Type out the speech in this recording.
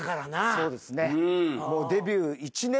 そうですね。